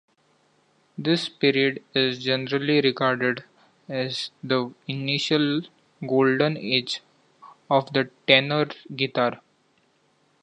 This period is generally regarded as the initial "golden age" of the tenor guitar.